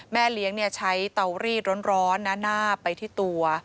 แม่เลี้ยงใช้เตารีดร้อนหน้าไปที่ตัว